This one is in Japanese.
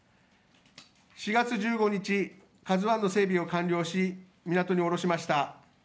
４月１５日、「ＫＡＺＵⅠ」の整備を完了し港に降ろしました。